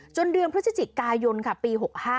เดือนพฤศจิกายนค่ะปี๖๕